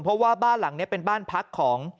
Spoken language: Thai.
เพราะว่าบ้านหลังนี้เป็นบ้านพักของ